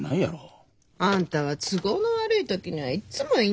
あんたは都合の悪い時にはいっつもいないやに。